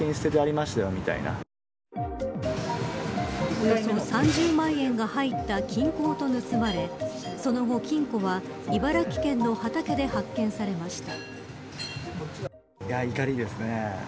およそ３０万円が入った金庫ごと盗まれその後、金庫は茨城県の畑で発見されました。